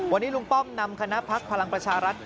วันนี้ลุงป้อมนำคณะพักพลังประชารัฐ